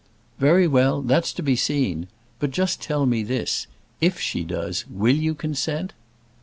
"Very well, that's to be seen. But just tell me this, if she does, will you consent?"